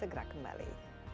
dan segera kembali